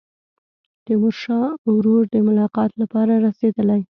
تیمورشاه ورور د ملاقات لپاره رسېدلی.